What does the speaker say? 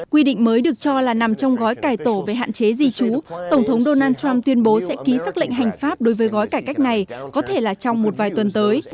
quy định mới được cho là nằm trong gói cải tổ về hạn chế di trú tổng thống donald trump tuyên bố sẽ ký xác lệnh hành pháp đối với gói cải cách này có thể là trong một vài tuần tới